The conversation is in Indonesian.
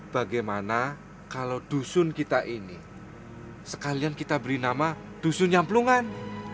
bagaimana kalau dusun kita ini sekalian kita beri nama dusun nyamplungan